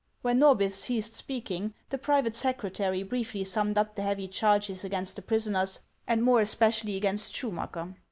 When Xorbith ceased speaking, the private secretary briefly summed up the heavy charges against the prison ers, and more especially against Schumacker.